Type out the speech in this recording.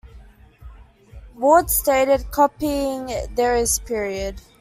Ward stated, Copying there is, period.